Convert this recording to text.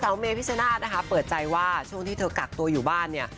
เมพิชนาธิ์นะคะเปิดใจว่าช่วงที่เธอกักตัวอยู่บ้านเนี่ย